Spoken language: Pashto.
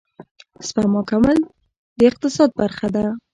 سپما کول د اقتصاد برخه ده